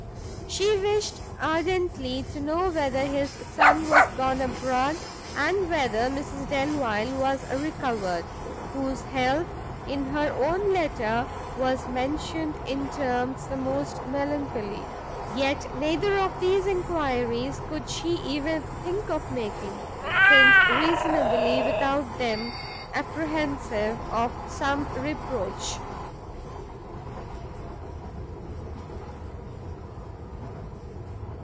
She wished ardently to know whether his son was gone abroad, and whether Mrs Delvile was recovered, whose health, in her own letter, was mentioned in terms the most melancholy: yet neither of these enquiries could she even think of making, since reasonably, without them, apprehensive of some reproach.